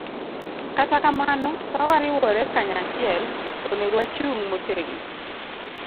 Kata kamano, ka wariwore kanyachiel, onego wachung ' motegno